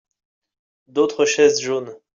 D'autres chaises jaunes.